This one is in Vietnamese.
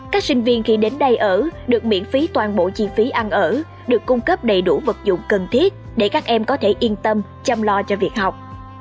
các sinh viên cũng được cung cấp đầy đủ vật dụng cần thiết để các em có thể yên tâm chăm lo cho việc học